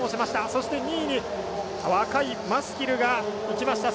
そして２位に若いマスキルがいきました。